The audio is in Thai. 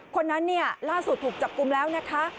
คนนั้นเนี่ยล่าสุดถูกจับกลุ่มแล้วนะคะ